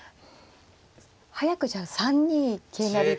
早くじゃあ３二桂成と。